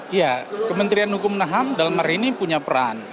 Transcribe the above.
iya kementerian hukum dan ham dalam hari ini punya peran